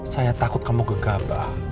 saya takut kamu gegabah